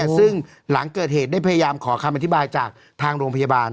ซึ่งหลังเกิดเหตุได้พยายามขอคำอธิบายจากทางโรงพยาบาล